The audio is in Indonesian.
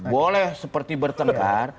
boleh seperti bertengkar